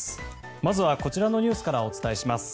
まずはこちらのニュースからお伝えします。